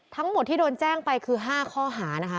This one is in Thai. ทั้งหมดที่โดนแจ้งไปคือ๕ข้อหานะคะ